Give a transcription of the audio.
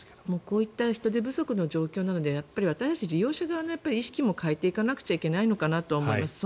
こういった人手不足の状況なので私たちの意識も変えていかなくちゃいけないのかなと思います。